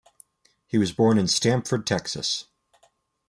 He was born in Stamford, Texas.